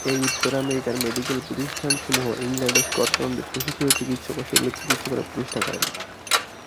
এই উত্তর আমেরিকার মেডিক্যাল প্রতিষ্ঠানসমূহ ইংল্যান্ড ও স্কটল্যান্ডের প্রশিক্ষিত চিকিৎসক ও শল্য চিকিৎসকেরা প্রতিষ্ঠা করেন।